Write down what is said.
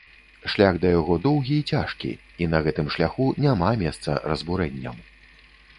Шлях да яго доўгі і цяжкі, і на гэтым шляху няма месца разбурэнням.